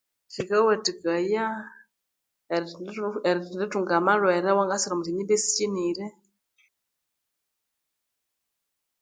Sikawathikaya erithendithu erithendithunga amalhwere awakasira omwa syonjjimba esikyinire